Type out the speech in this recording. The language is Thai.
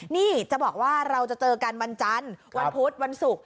นี่จะบอกว่าเราจะเจอกันวันจันทร์วันพุธวันศุกร์